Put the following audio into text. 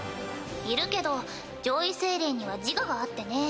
いるけど上位精霊には自我があってね